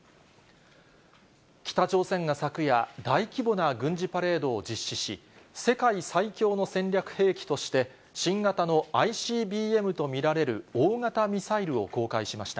北朝鮮が昨夜、大規模な軍事パレードを実施し、世界最強の戦略兵器として、新型のＩＣＢＭと見られる大型ミサイルを公開しました。